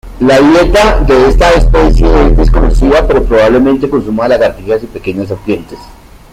La dieta de esta especie es desconocida, pero probablemente consuma lagartijas y pequeñas serpientes.